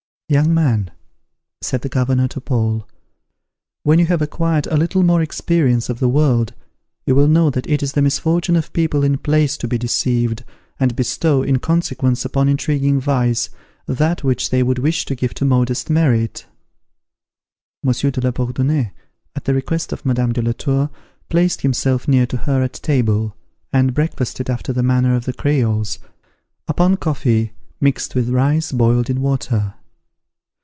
"Young man," said the governor to Paul, "when you have acquired a little more experience of the world, you will know that it is the misfortune of people in place to be deceived, and bestow, in consequence, upon intriguing vice, that which they would wish to give to modest merit." Monsieur de la Bourdonnais, at the request of Madame de la Tour, placed himself next to her at table, and breakfasted after the manner of the Creoles, upon coffee, mixed with rice boiled in water.